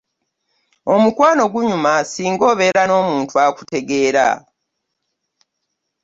Omukwano gunyuma singa obeera n'omuntu akutegeera.